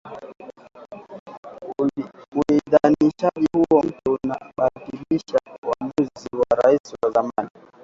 Uidhinishaji huo mpya unabatilisha uamuzi wa Rais wa zamani